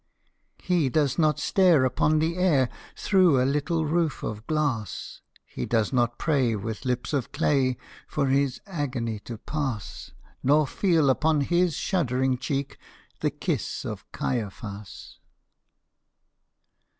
He does not stare upon the air Through a little roof of glass: He does not pray with lips of clay For his agony to pass; Nor feel upon his shuddering cheek The kiss of Caiaphas.